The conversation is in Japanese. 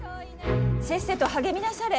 せっせと励みなされ。